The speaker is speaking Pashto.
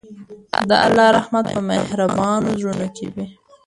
د الله رحمت په مهربانو زړونو کې وي.